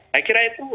saya kira itu